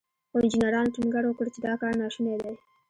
خو انجنيرانو ټينګار وکړ چې دا کار ناشونی دی.